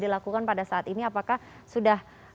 dilakukan pada saat ini apakah sudah